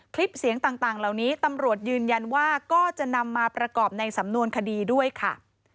คลิปเสียงต่างเหล่านี้ตำรวจยืนยันว่าก็จะนำมาประกอบในสำนวนคดีด้วยค่ะ